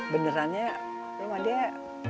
benerannya rumadi ya